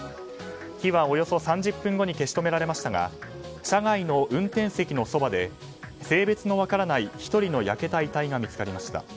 火はおよそ３０分後に消し止められましたが車外の運転席のそばで性別の分からない、１人の焼けた遺体が見つかりました。